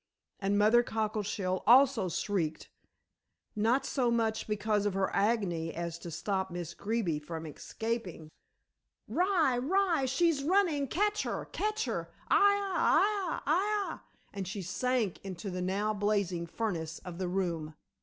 And Mother Cockleshell also shrieked, not so much because of her agony as to stop Miss Greeby from escaping. "Rye! Rye! she's running; catch her; catch her. Aha aha aha!" and she sank into the now blazing furnace of the room.